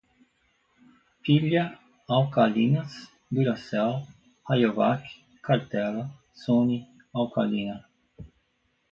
Pilha, alcalinas, duracell, rayovak, cartela, sony, alcalina